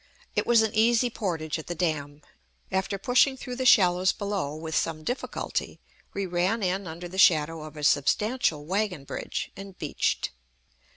It was an easy portage at the dam. After pushing through the shallows below with some difficulty, we ran in under the shadow of a substantial wagon bridge, and beached.